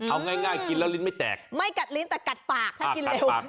เอาง่ายกินแล้วลิ้นไม่แตกไม่กัดลิ้นแต่กัดปากถ้ากินเร็ว